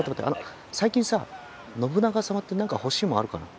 最近さ信長様って何か欲しいもんあるかな？